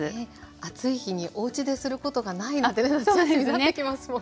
暑い日におうちですることがないなんて夏休みになってきますもんね。